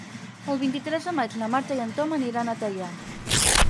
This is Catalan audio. El vint-i-tres de maig na Marta i en Tom aniran a Teià.